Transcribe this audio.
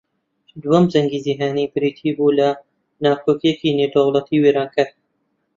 دووەم جەنگی جیھانی بریتی بوو لە ناکۆکییەکی نێودەوڵەتی وێرانکەر